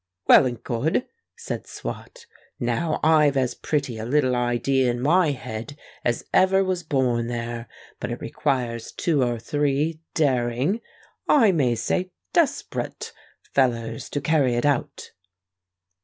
"Well and good," said Swot. "Now I've as pretty a little idea in my head as ever was born there; but it requires two or three daring—I may say desperate fellers to carry it out."